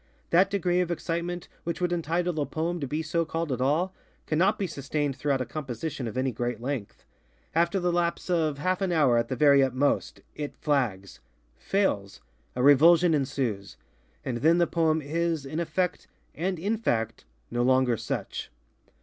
That degree of excitement which would entitle a poem to be so called at all, cannot be sustained throughout a composition of any great length. After the lapse of half an hour, at the very utmost, it flagsŌĆöfailsŌĆöa revulsion ensuesŌĆöand then the poem is, in effect, and in fact, no longer such.